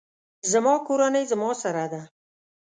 زما کورنۍ زما سره ده